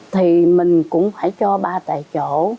thì mình cũng phải cho ba tại chỗ